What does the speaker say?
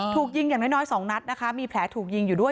ถูกยิงอย่างน้อยสองนัดนะคะมีแผลถูกยิงอยู่ด้วย